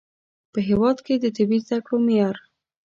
په هیواد کې د طبي زده کړو د معیار